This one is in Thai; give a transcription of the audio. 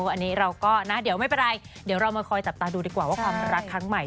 วันนี้เราก็นะเดี๋ยวไม่เป็นไรเดี๋ยวเรามาคอยจับตาดูดีกว่าว่าความรักครั้งใหม่